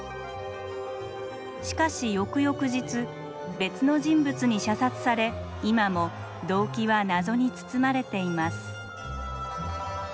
しかし翌々日別の人物に射殺され今も動機は謎に包まれています。